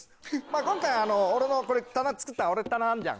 今回俺のこれ棚作った棚あんじゃん。